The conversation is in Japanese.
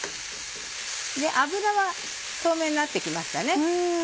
脂は透明になって来ましたね。